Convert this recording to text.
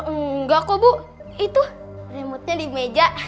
enggak kok bu itu remote nya di meja